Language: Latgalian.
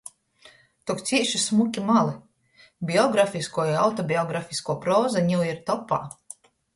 Tok cīši šmuki mali. Biografiskuo i autobiografiskuo proza niu ir topā.